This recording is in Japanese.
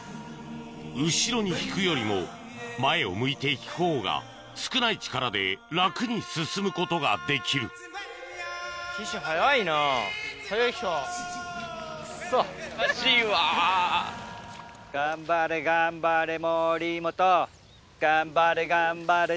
後ろに引くよりも前を向いて引くほうが少ない力で楽に進むことができる頑張れ頑張れ稀哲！